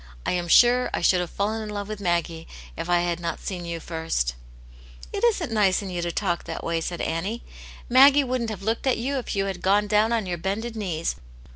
" I am sure I should have fallen in love with Maggie if I had not seen you first/' '* It isn't nice in you to talk that way," said Annie. " Maggie wouldn't have looked at you if you had gone down on your bended knees.